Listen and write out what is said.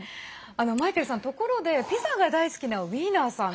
マイケルさん、ところでピザが大好きなウィーナーさん